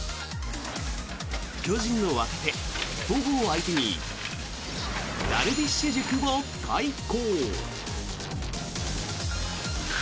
巨人の若手、戸郷を相手にダルビッシュ塾を開講。